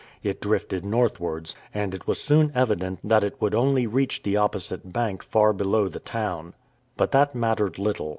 It drifted northwards, and it was soon evident that it would only reach the opposite bank far below the town. But that mattered little.